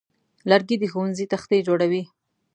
لرګی د ښوونځي تختې جوړوي.